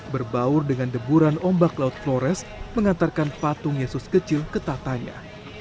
berbaur dengan deburan ombak laut flores mengantarkan patung yesus kecil ke tatanya